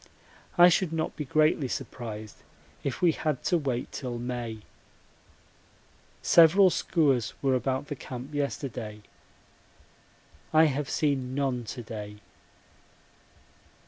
I should not be greatly surprised if we had to wait till May. Several skuas were about the camp yesterday. I have seen none to day.